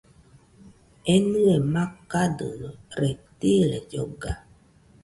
Enɨe makadɨno, reptiles lloga